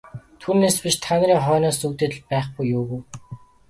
Түүнээс биш та нарын хойноос зүүгдээд л байхгүй юу гэв.